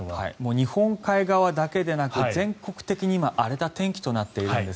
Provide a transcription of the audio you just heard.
日本海側だけでなく全国的に今荒れた天気となっているんです。